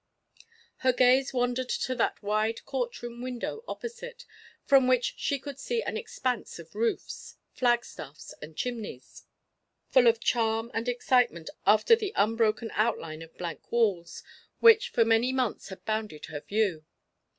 Her gaze wandered to that wide court room window opposite, from which she could see an expanse of roofs, flag staffs and chimneys, full of charm and excitement after the unbroken outline of blank walls, which for many months had bounded her view.